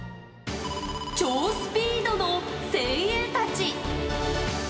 超スピードの精鋭たち。